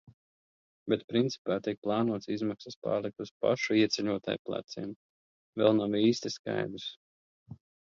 Bet principā tiek plānots izmaksas pārlikt uz pašu ieceļotāju pleciem. Vēl nav īsti skaidrs.